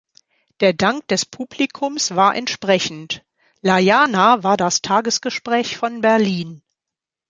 Der Dank des Publikums war entsprechend: La Jana war das Tagesgespräch von Berlin.